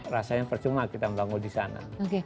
rasanya percuma kita membangun di sana